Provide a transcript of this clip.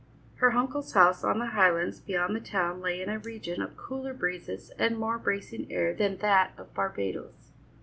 Her uncle's house on the highlands beyond the town lay in a region of cooler breezes and more bracing air than that of Barbadoes.